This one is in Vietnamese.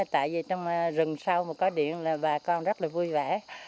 tại vì trong rừng sau mà có điện là bà con rất là vui vẻ